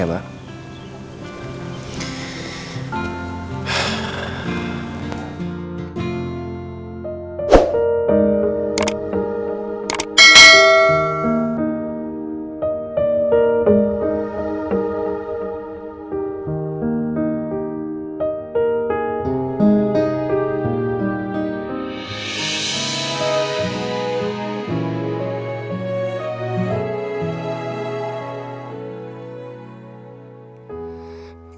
gak jauh ya pak